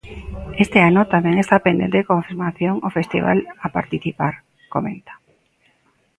Este ano "tamén está pendente de confirmación o festival a participar", comenta.